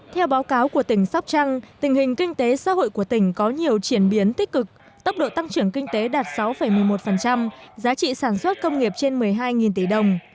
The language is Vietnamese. theo báo cáo của tỉnh sóc trăng tình hình kinh tế xã hội của tỉnh có nhiều chuyển biến tích cực tốc độ tăng trưởng kinh tế đạt sáu một mươi một giá trị sản xuất công nghiệp trên một mươi hai tỷ đồng